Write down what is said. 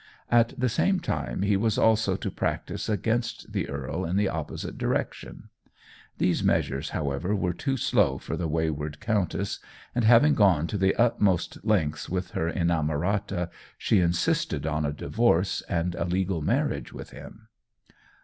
At the same time he was also to practise against the earl in the opposite direction. These measures, however, were too slow for the wayward countess, and having gone to the utmost lengths with her inamorata, she insisted on a divorce, and a legal marriage with him.